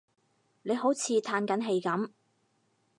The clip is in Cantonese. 你好似歎緊氣噉